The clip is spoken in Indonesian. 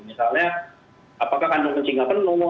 misalnya apakah kandung kencing tidak penuh